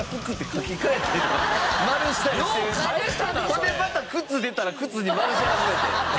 ほんでまた靴出たら靴に丸し始めて。